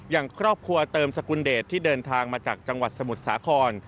อย่างครอบครัวเติมสกุลเดชที่เดินทางมาจากจังหวัดสมุทรสาคร